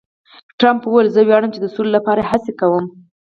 ټرمپ وویل، زه ویاړم چې د سولې لپاره هڅې کوم.